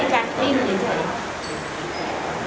ครับ